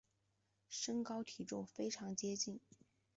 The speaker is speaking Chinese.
身高体重非常的接近